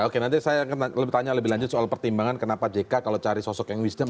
oke nanti saya tanya lebih lanjut soal pertimbangan kenapa jk kalau cari sosok yang wisdom